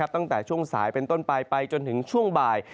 ตั้งแต่ช่วงสายเป็นต้นไปไปจนถึงช่วงบ่าย